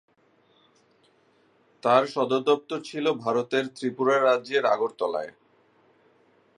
তার সদর দপ্তর ছিল ভারতের ত্রিপুরা রাজ্যের আগরতলায়।